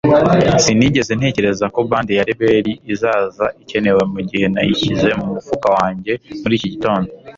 Sinigeze ntekereza ko bande ya reberi izaza ikenewe mugihe nayishyize mu mufuka wanjye muri iki gitondo